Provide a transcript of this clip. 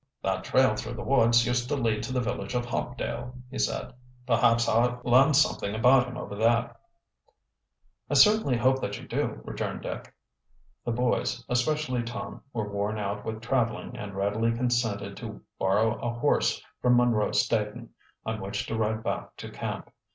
"That trail through the woods used to lead to the village of Hopdale," he said. "Perhaps I'll learn something about him over there." "I sincerely hope that you do," returned Dick. The boys, and especially Tom, were worn out with traveling and readily consented to borrow a horse from Munro Staton, on which to ride back to camp.